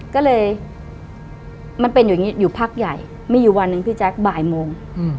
ก็เลยมันเป็นอย่างนี้อยู่พักใหญ่มีอยู่วันหนึ่งพี่แจ๊คบ่ายโมง